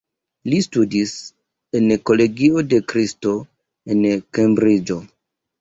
Li studis en Kolegio de kristo, en Kembriĝo.